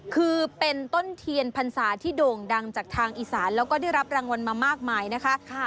คือเป็นต้นเทียนพรรษาที่โด่งดังจากทางอีสานแล้วก็ได้รับรางวัลมามากมายนะคะ